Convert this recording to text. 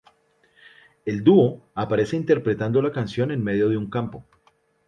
El dúo aparece interpretando la canción en medio de un campo.